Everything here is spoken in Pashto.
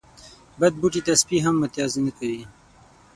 بد بوټي ته سپي هم متازې نه کوي.